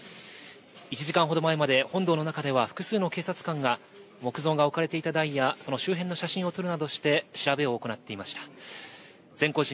１時間ほど前まで本堂の中では複数の警察官が木像が置かれていた台やその周辺の写真を撮るなどして調べを行っていました。